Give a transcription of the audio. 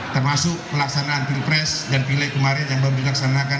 termasuk pelaksanaan pilpres dan pileg kemarin yang baru dilaksanakan